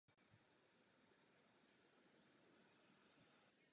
Nakonec musel postavit věž o osmi podlažích.